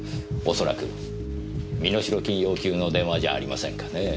恐らく身代金要求の電話じゃありませんかねぇ。